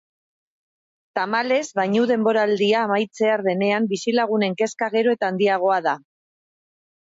Tamalez, bainu-denboraldia amaitzear denean, bizilagunen kezka gero eta handiagoa da.